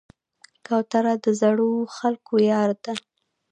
کوتره د زړو خلکو یار ده.